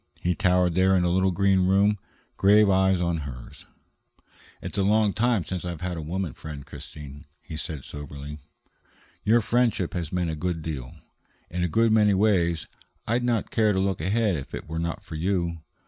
He towered there in the little room, grave eyes on hers. "It's a long time since I have had a woman friend, Christine," he said soberly. "Your friendship has meant a good deal. In a good many ways, I'd not care to look ahead if it were not for you.